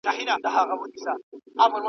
له بارانه دي ولاړ کړمه ناوې ته.